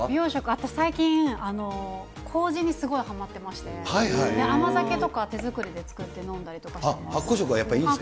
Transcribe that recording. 私、最近、こうじにすごいはまってまして、甘酒とか手作りで作って飲んだりとかして発酵食はやっぱりいいですか。